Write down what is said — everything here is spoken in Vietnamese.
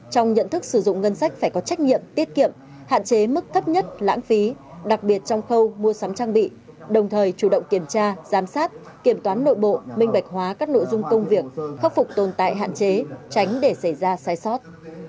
trong nhận thức sử dụng ngân sách phải có trách nhiệm tiết kiệm hạn chế mức thấp nhất lãng phí đặc biệt trong khâu mua sắm trang bị đồng thời chủ động kiểm tra giám sát kiểm toán nội bộ minh bạch hóa các nội dung công việc khắc phục tồn tại hạn chế tránh để xảy ra sai sót